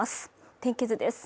天気図です